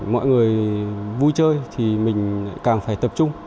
mọi người vui chơi thì mình càng phải tập trung